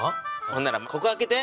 ほんならここ開けて。